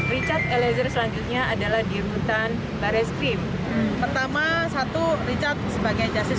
richard eliezer selanjutnya adalah di rutan barres krimpori pertama satu richard sebagai jasid